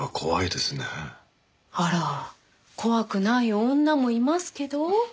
あら怖くない女もいますけど。